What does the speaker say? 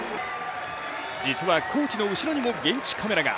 実はコーチの後ろにも現地カメラが。